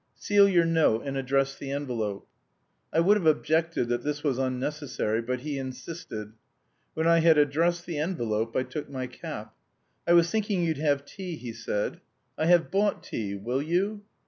"Seal your note and address the envelope." I would have objected that this was unnecessary, but he insisted. When I had addressed the envelope I took my cap. "I was thinking you'd have tea," he said. "I have bought tea. Will you?"